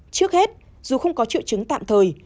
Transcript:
trước hết dù không có triệu chứng tạm thời